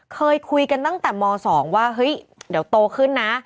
เคยคุยกันตั้งแต่ม๒ว่าเฮ้ยเดี๋ยวโตขึ้นนะ